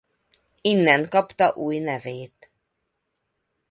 Innen kapta új nevét.